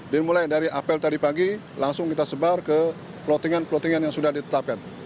dimulai dari apel tadi pagi langsung kita sebar ke plottingan plottingan yang sudah ditetapkan